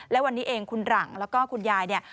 และวันนี้เองคุณหลังแล้วก็คุณยายเนี่ย